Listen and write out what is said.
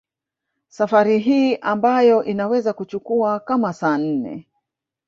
Safari hii ambayo inaweza kuchukua kama saa nne